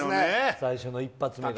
最初の１発目が。